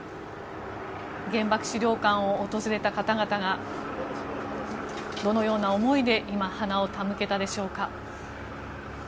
原爆資料館を訪れた方々がどのような思いで今、花を手向けたでしょうか。